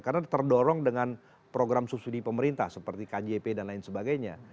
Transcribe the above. karena terdorong dengan program subsidi pemerintah seperti kjp dan lain sebagainya